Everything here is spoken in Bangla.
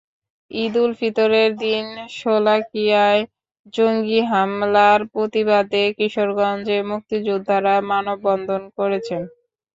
ঈদুল ফিতরের দিন শোলাকিয়ায় জঙ্গি হামলার প্রতিবাদে কিশোরগঞ্জে মুক্তিযোদ্ধারা মানববন্ধন করেছেন।